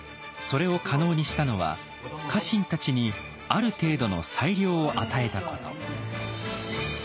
それを可能にしたのは家臣たちにある程度の裁量を与えたこと。